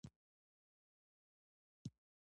د افغانستان په سرپل ولایت کې نفت شتون لري